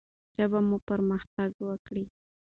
ژبه مو پرمختګ وکړي.